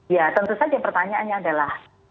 ya tentu saja pertanyaannya adalah